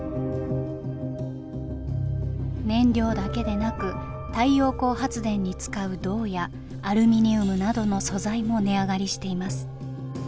燃料だけでなく太陽光発電に使う銅やアルミニウムなどの素材も値上がりしています。